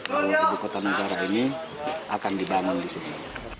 bahwa ibu kota negara ini akan dibangun di sini